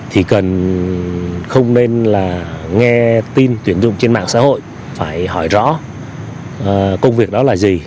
thì không nên là nghe tin tuyển dụng trên mạng xã hội phải hỏi rõ công việc đó là gì